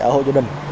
ở hộ gia đình